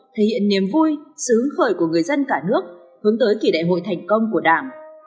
thể hiện niềm vui sự hứng khởi của người dân cả nước hướng tới kỳ đại hội thành công của đảng